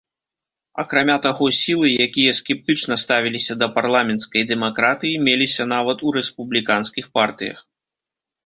Акрамя таго сілы, якія скептычна ставіліся да парламенцкай дэмакратыі, меліся нават у рэспубліканскіх партыях.